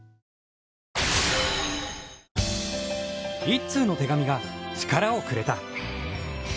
一通の手紙が力をくれた。